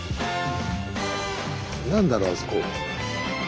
何だろうあそこ。